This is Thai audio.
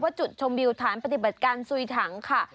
จุดชมวิวฐานปฏิบัติการซุยถังค่ะ